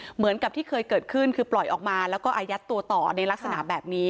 เหมือนกับที่เคยเกิดขึ้นคือปล่อยออกมาแล้วก็อายัดตัวต่อในลักษณะแบบนี้